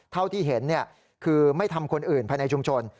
เท่าที่เห็นคือไม่ทำคนอื่นภายในชุมชน